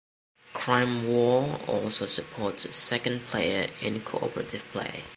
Crime War also supports a second player in cooperative play.